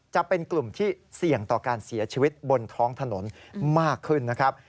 จะเป็นกลุ่มที่เสี่ยงต่อการเสียชีวิตบนท้องถนนมากขึ้นนะครับ